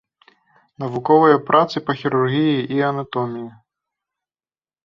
Навуковыя працы па хірургіі і анатоміі.